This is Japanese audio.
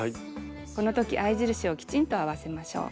このとき合い印をきちんと合わせましょう。